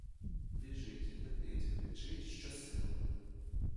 Біжить, летить, кричить щосили: